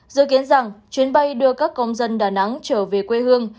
dự kiến rằng chuyến bay đưa các công dân đà nẵng trở về quê hương